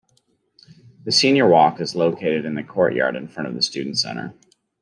The Senior Walk is located in the courtyard in front of the Student Center.